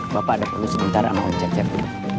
bapak ada perlu sebentar aku mau cek cek dulu